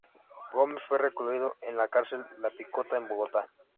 Gómez fue recluido en la Cárcel La Picota, en Bogotá.